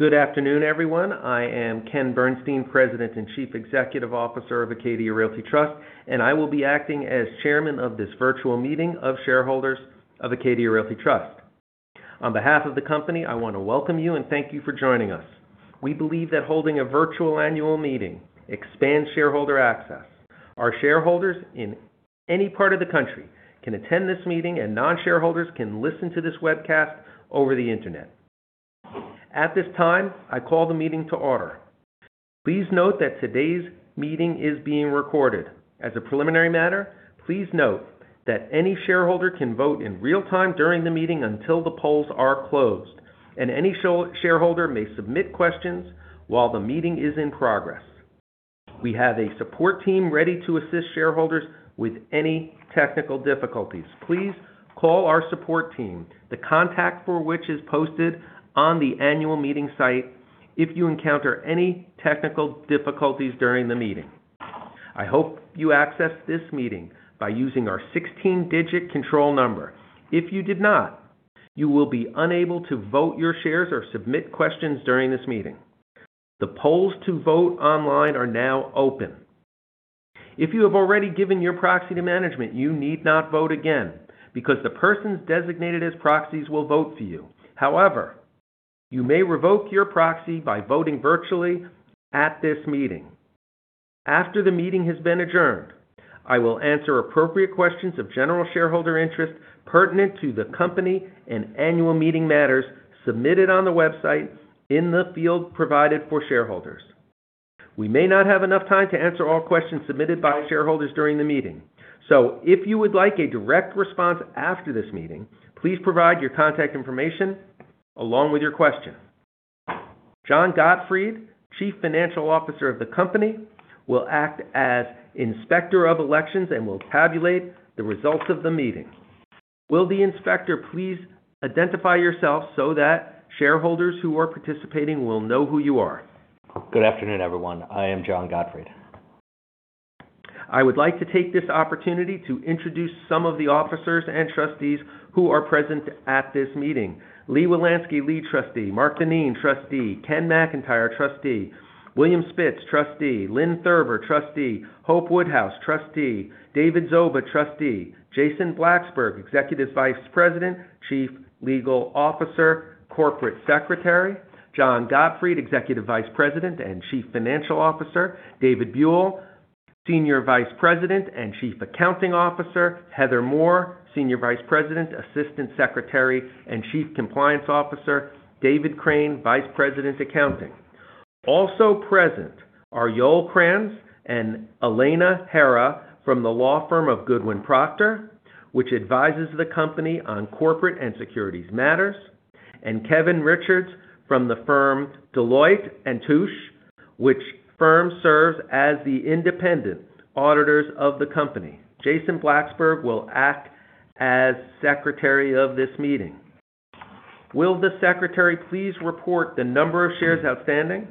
Good afternoon, everyone. I am Ken Bernstein, President and Chief Executive Officer of Acadia Realty Trust, and I will be acting as Chairman of this virtual meeting of shareholders of Acadia Realty Trust. On behalf of the company, I want to welcome you and thank you for joining us. We believe that holding a virtual annual meeting expands shareholder access. Our shareholders in any part of the country can attend this meeting, and non-shareholders can listen to this webcast over the Internet. At this time, I call the meeting to order. Please note that today's meeting is being recorded. As a preliminary matter, please note that any shareholder can vote in real time during the meeting until the polls are closed, and any shareholder may submit questions while the meeting is in progress. We have a support team ready to assist shareholders with any technical difficulties. Please call our support team, the contact for which is posted on the annual meeting site, if you encounter any technical difficulties during the meeting. I hope you accessed this meeting by using our 16-digit control number. If you did not, you will be unable to vote your shares or submit questions during this meeting. The polls to vote online are now open. If you have already given your proxy to management, you need not vote again because the persons designated as proxies will vote for you. However, you may revoke your proxy by voting virtually at this meeting. After the meeting has been adjourned, I will answer appropriate questions of general shareholder interest pertinent to the company and annual meeting matters submitted on the website in the field provided for shareholders. We may not have enough time to answer all questions submitted by shareholders during the meeting. If you would like a direct response after this meeting, please provide your contact information along with your question. John Gottfried, Chief Financial Officer of the company, will act as Inspector of Elections and will tabulate the results of the meeting. Will the Inspector please identify yourself so that shareholders who are participating will know who you are. Good afternoon, everyone. I am John Gottfried. I would like to take this opportunity to introduce some of the officers and trustees who are present at this meeting. Lee S. Wielansky, Lead Trustee. Mark-David Denien, Trustee. Kenneth A. McIntyre, Trustee. William T. Spitz, Trustee. Lynn C. Thurber, Trustee. Hope B. Woodhouse, Trustee. C. David Zoba, Trustee. Jason Blacksberg, Executive Vice President, Chief Legal Officer, Corporate Secretary. John Gottfried, Executive Vice President and Chief Financial Officer. David Buell, Senior Vice President and Chief Accounting Officer. Heather Moore, Senior Vice President, Assistant Secretary, and Chief Compliance Officer. David Crane, Vice President, Accounting. Also present are Yoel Kranz and Elena Hara from the law firm of Goodwin Procter LLP, which advises the company on corporate and securities matters, and Kevin Richards from the firm Deloitte & Touche LLP, which firm serves as the independent auditors of the company. Jason Blacksberg will act as Secretary of this meeting. Will the Secretary please report the number of shares outstanding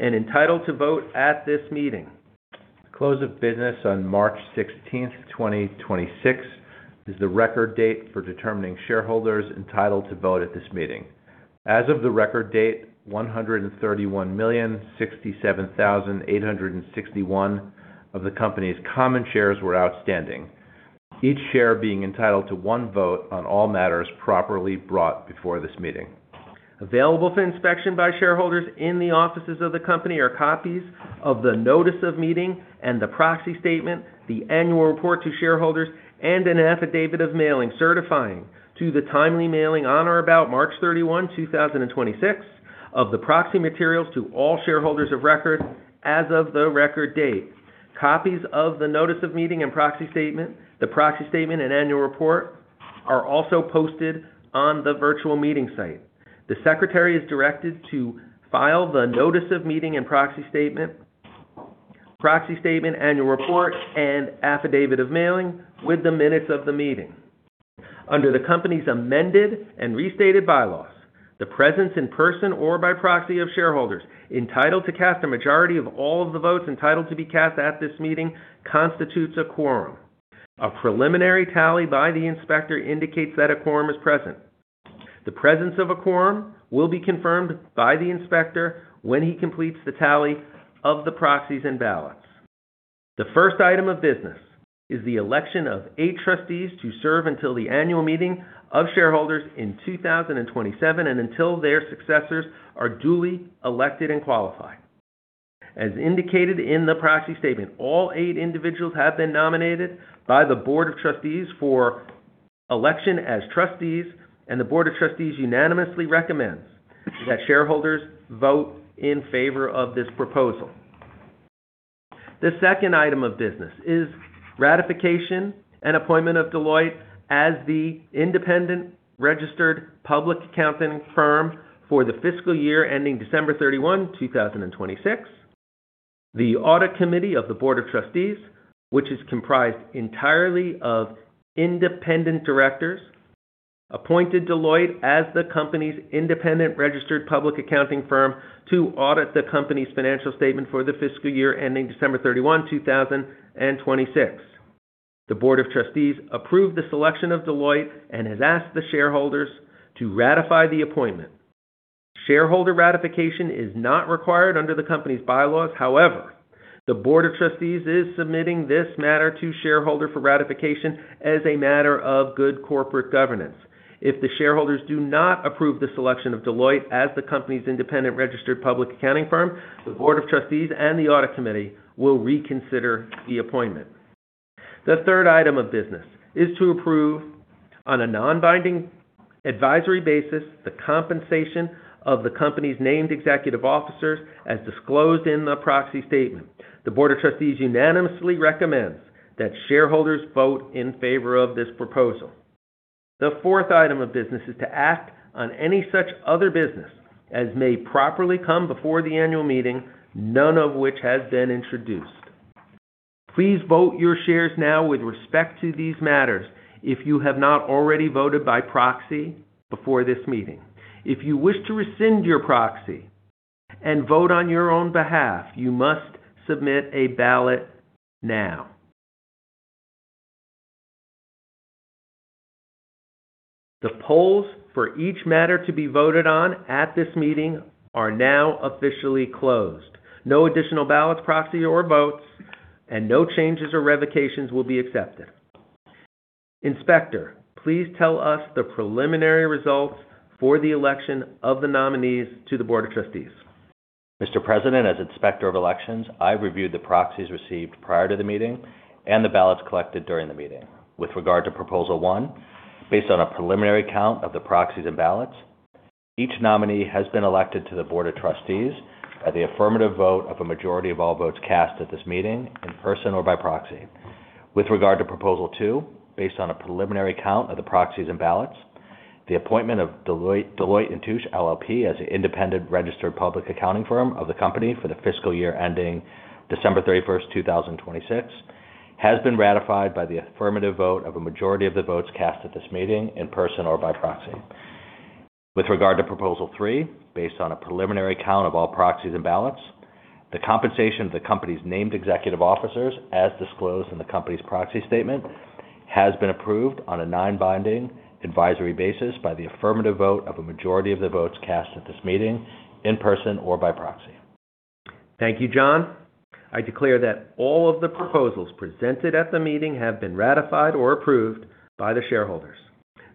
and entitled to vote at this meeting? The close of business on March 16, 2026 is the record date for determining shareholders entitled to vote at this meeting. As of the record date, 131,067,861 of the company's common shares were outstanding, each share being entitled to one vote on all matters properly brought before this meeting. Available for inspection by shareholders in the offices of the company are copies of the notice of meeting and the proxy statement, the annual report to shareholders, and an affidavit of mailing certifying to the timely mailing on or about March 31, 2026 of the proxy materials to all shareholders of record as of the record date. Copies of the notice of meeting and proxy statement, the proxy statement and annual report are also posted on the virtual meeting site. The Secretary is directed to file the notice of meeting and proxy statement, proxy statement, annual report, and affidavit of mailing with the minutes of the meeting. Under the company's amended and restated bylaws, the presence in person or by proxy of shareholders entitled to cast a majority of all of the votes entitled to be cast at this meeting constitutes a quorum. A preliminary tally by the inspector indicates that a quorum is present. The presence of a quorum will be confirmed by the inspector when he completes the tally of the proxies and ballots. The first item of business is the election of eight trustees to serve until the annual meeting of shareholders in 2027 and until their successors are duly elected and qualified. As indicated in the proxy statement, all eight individuals have been nominated by the Board of Trustees for election as trustees, and the Board of Trustees unanimously recommends that shareholders vote in favor of this proposal. The second item of business is ratification and appointment of Deloitte as the independent registered public accounting firm for the fiscal year ending December 31, 2026. The Audit Committee of the Board of Trustees, which is comprised entirely of independent directors, appointed Deloitte as the company's independent registered public accounting firm to audit the company's financial statement for the fiscal year ending December 31, 2026. The Board of Trustees approved the selection of Deloitte and has asked the shareholders to ratify the appointment. Shareholder ratification is not required under the company's bylaws. The Board of Trustees is submitting this matter to shareholders for ratification as a matter of good corporate governance. If the shareholders do not approve the selection of Deloitte as the company's independent registered public accounting firm, the Board of Trustees and the Audit Committee will reconsider the appointment. The third item of business is to approve on a non-binding advisory basis the compensation of the company's named executive officers as disclosed in the proxy statement. The board of trustees unanimously recommends that shareholders vote in favor of this proposal. The fourth item of business is to act on any such other business as may properly come before the annual meeting, none of which has been introduced. Please vote your shares now with respect to these matters if you have not already voted by proxy before this meeting. If you wish to rescind your proxy and vote on your own behalf, you must submit a ballot now. The polls for each matter to be voted on at this meeting are now officially closed. No additional ballots, proxy, or votes and no changes or revocations will be accepted. Inspector, please tell us the preliminary results for the election of the nominees to the board of trustees. Mr. President, as inspector of elections, I reviewed the proxies received prior to the meeting and the ballots collected during the meeting. With regard to proposal one, based on a preliminary count of the proxies and ballots, each nominee has been elected to the board of trustees at the affirmative vote of a majority of all votes cast at this meeting in person or by proxy. With regard to proposal two, based on a preliminary count of the proxies and ballots, the appointment of Deloitte & Touche LLP as the independent registered public accounting firm of the company for the fiscal year ending December 31st, 2026 has been ratified by the affirmative vote of a majority of the votes cast at this meeting in person or by proxy. With regard to proposal three, based on a preliminary count of all proxies and ballots, the compensation of the company's named executive officers as disclosed in the company's proxy statement, has been approved on a non-binding advisory basis by the affirmative vote of a majority of the votes cast at this meeting in person or by proxy. Thank you, John. I declare that all of the proposals presented at the meeting have been ratified or approved by the shareholders.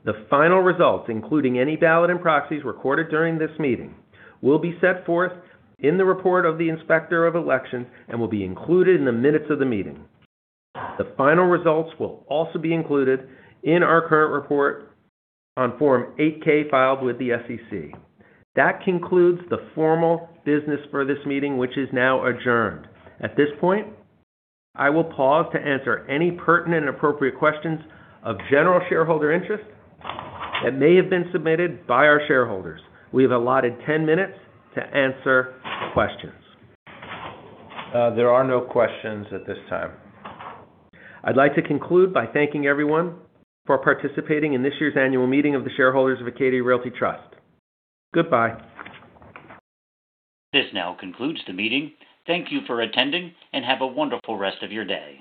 The final results, including any ballot and proxies recorded during this meeting, will be set forth in the report of the inspector of elections and will be included in the minutes of the meeting. The final results will also be included in our current report on Form 8-K filed with the SEC. That concludes the formal business for this meeting, which is now adjourned. At this point, I will pause to answer any pertinent and appropriate questions of general shareholder interest that may have been submitted by our shareholders. We have allotted 10 minutes to answer questions. There are no questions at this time. I'd like to conclude by thanking everyone for participating in this year's annual meeting of the shareholders of Acadia Realty Trust. Goodbye. This now concludes the meeting. Thank you for attending and have a wonderful rest of your day.